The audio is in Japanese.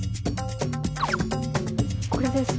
これです。